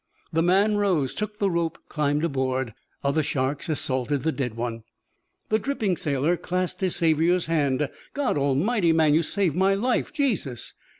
The man rose, took the rope, climbed aboard. Other sharks assaulted the dead one. The dripping sailor clasped his saviour's hand. "God Almighty, man, you saved my life. Jesus!"